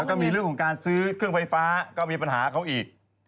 แล้วก็มีเรื่องของการซื้อเครื่องไฟฟ้าก็มีปัญหาเขาอีก